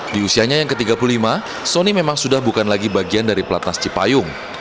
di usianya yang ke tiga puluh lima sonny memang sudah bukan lagi bagian dari pelat nasi payung